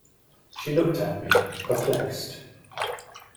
She looked at me, perplexed.